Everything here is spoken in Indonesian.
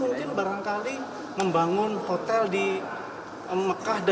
atau mungkin barangkali membangun hotel di adina dan mekah di sana